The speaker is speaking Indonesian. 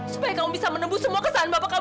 supaya kamu bisa menembus semua kesahan bapak kamu